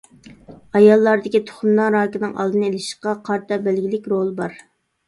ئاياللاردىكى تۇخۇمدان راكىنىڭ ئالدىنى ئېلىشقا قارىتا بەلگىلىك رولى بار.